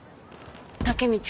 タケミチ